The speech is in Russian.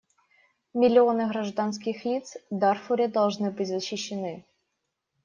Миллионы гражданских лиц в Дарфуре должны быть защищены.